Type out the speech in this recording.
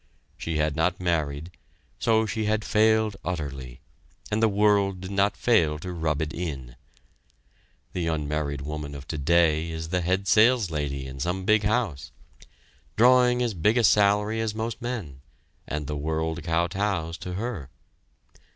She had not married, so she had failed utterly, and the world did not fail to rub it in. The unmarried woman of today is the head saleslady in some big house, drawing as big a salary as most men, and the world kowtows to her.